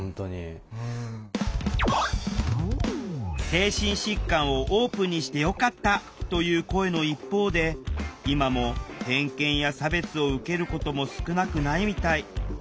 精神疾患をオープンにしてよかったという声の一方で今も偏見や差別を受けることも少なくないみたい。